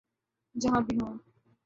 جہاں بھی ہوں۔